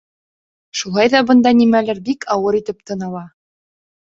Шулай ҙа бында нимәлер бик ауыр итеп тын ала.